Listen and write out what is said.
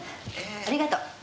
ありがとう。